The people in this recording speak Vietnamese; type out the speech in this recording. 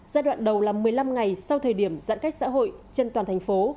giai đoạn đầu là một mươi năm ngày sau thời điểm giãn cách xã hội trên toàn thành phố